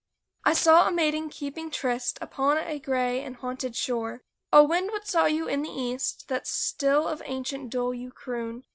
I saw a maiden keeping tryst Upon a gray and haunted shore. O, wind ! what saw you in the East That still of ancient dole you croon?